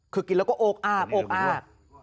คือกินแล้วก็โอกอาบโอกอาบ